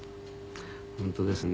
本当ですね。